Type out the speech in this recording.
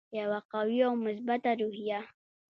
یوه قوي او مثبته روحیه.